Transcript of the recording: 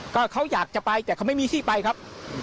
ก็เขาอยากจะไปแต่เขาไม่มีที่ไปครับ